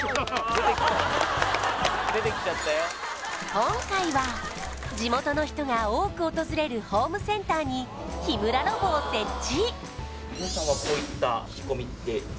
今回は地元の人が多く訪れるホームセンターに日村ロボを設置